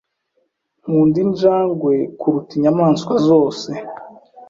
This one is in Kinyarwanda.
Nkunda injangwe kuruta inyamaswa zose.